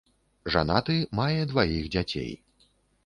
Жанаты, мае дваіх дзяцей.